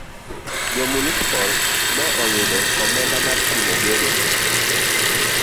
Jo munispol ne oyudo omenda mar timo gedo.